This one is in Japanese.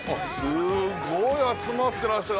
すごい集まってらっしゃる。